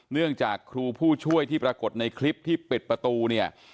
เนื่องจากครูผู้ช่วยที่ปรากฏในคลิปที่ปิดประตูเนี่ย